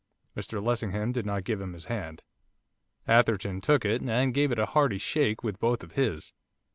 Mr Lessingham did not give him his hand. Atherton took it, and gave it a hearty shake with both of his.